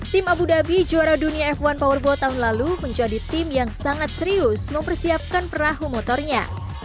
tim abu dhabi juara dunia f satu powerball tahun lalu menjadi tim yang sangat serius mempersiapkan perahu motornya